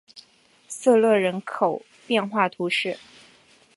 塞勒人口变化图示